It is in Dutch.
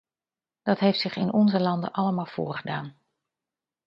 Dat heeft zich in onze landen allemaal voorgedaan.